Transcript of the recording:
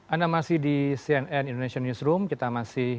anda masih di cnn indonesia newsroom kita masih